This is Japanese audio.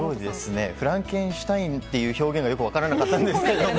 フランケンシュタインっていう表現がよく分からなかったんですが。